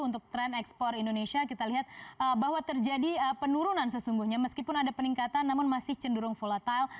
untuk tren ekspor indonesia kita lihat bahwa terjadi penurunan sesungguhnya meskipun ada peningkatan namun masih cenderung volatile